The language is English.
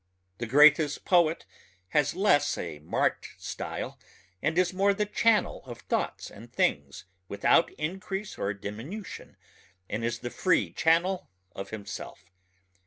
The greatest poet has less a marked style and is more the channel of thoughts and things without increase or diminution and is the free channel of himself.